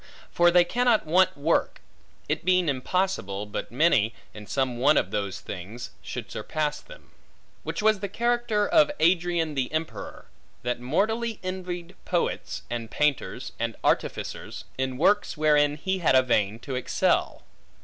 For they cannot want work; it being impossible, but many, in some one of those things, should surpass them. Which was the character of Adrian the Emperor; that mortally envied poets, and painters, and artificers, in works wherein he had a vein to excel.